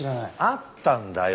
あったんだよ。